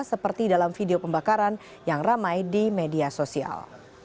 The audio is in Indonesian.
seperti dalam video pembakaran yang ramai di media sosial